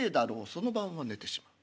その晩は寝てしまう。